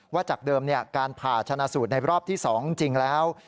จากเดิมการผ่าชนะสูตรในรอบที่๒จริงแล้ว